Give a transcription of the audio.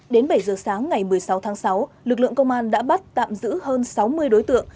đến bảy giờ sáng ngày một mươi sáu tháng sáu lực lượng công an đã bắt tạm giữ hơn sáu mươi đối tượng